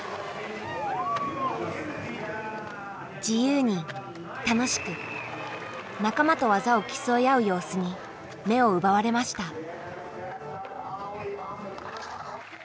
自由に楽しく仲間と技を競い合う様子に目を奪われました。